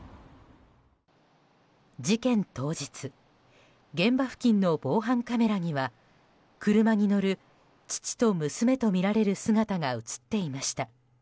事件当日現場付近の防犯カメラには車に乗る父と娘とみられる姿が映っていました。